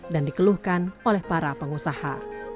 dan dikeluhkan oleh para pengusaha